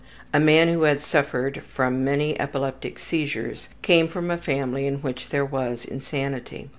A man who had suffered from many epileptic seizures came from a family in which there was insanity.